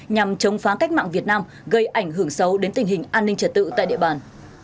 nhằm chống phá cách mạng việt nam gây ảnh hưởng xấu đến tình hình an ninh trật tự tại địa bàn